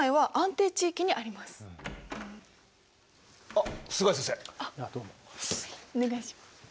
お願いします。